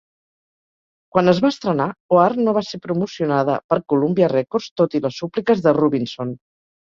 Quan es va estrenar, "Oar" no va ser promocionada per Columbia Records, tot i les súpliques de Rubinson.